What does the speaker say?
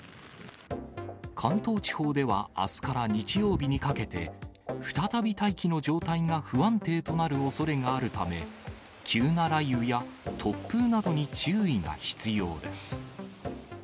関東地方ではあすから日曜日にかけて、再び大気の状態が不安定となるおそれがあるため、急な雷雨や突風などに注意が必要です。